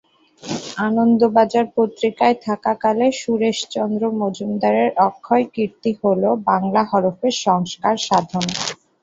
আনন্দবাজার পত্রিকায় থাকাকালে সুরেশচন্দ্র মজুমদারের অক্ষয় কীর্তি হল বাংলা হরফের সংস্কার সাধন।